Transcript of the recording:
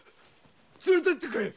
連れてってくれ！